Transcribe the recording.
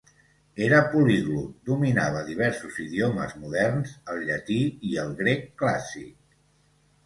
Era poliglot, dominava diversos idiomes moderns, el llatí i el grec clàssic.